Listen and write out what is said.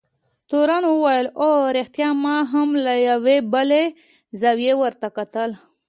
تورن وویل: اوه، رښتیا هم، ما له یوې بلې زاویې ورته کتل.